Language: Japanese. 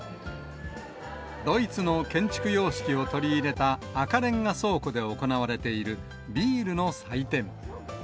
ドイツの建築様式を取り入れた赤レンガ倉庫で行われているビールの祭典。